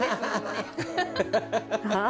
あ。